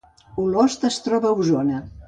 Olost es troba a Osona